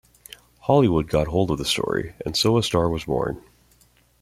Hollywood got hold of the story, and so a star was born.